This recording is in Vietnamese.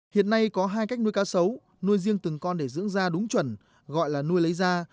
hiện nay có hai cách nuôi cá sấu nuôi riêng từng con để dưỡng da đúng chuẩn gọi là nuôi lấy da